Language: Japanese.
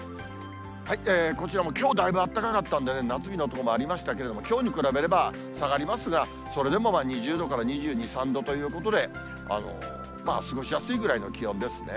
こちらもきょう、だいぶあったかかったんでね、夏日の所もありましたけれども、きょうに比べれば下がりますが、それでも２０度から２２、３度ということで、過ごしやすいくらいの気温ですね。